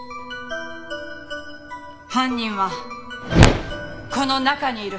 犯人はこの中にいる。